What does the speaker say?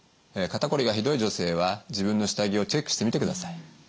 肩こりがひどい女性は自分の下着をチェックしてみてください。